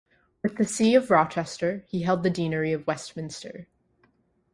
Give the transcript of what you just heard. With the see of Rochester he held the deanery of Westminster.